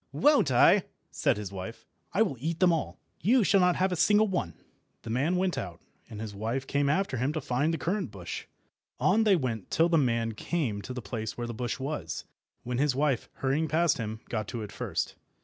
"Won't I?" said his wife. "I will eat them all. You shall not have a single one." The man went out, and his wife came after him to find the currant bush. On they went till the man came to the place where the bush was, when his wife, hurrying past him, got to it first.